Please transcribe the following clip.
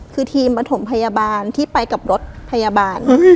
คือทีมประถมพยาบาลที่ไปกับรถพยาบาล